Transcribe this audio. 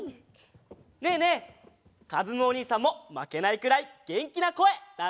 ねえねえかずむおにいさんもまけないくらいげんきなこえだせるよ！